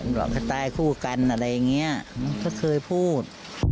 หลอกให้ตายคู่กันอะไรอย่างนี้ก็เคยพูด